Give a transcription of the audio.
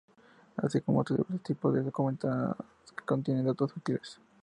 Así como otros diversos tipos de documentos que contienen datos útiles.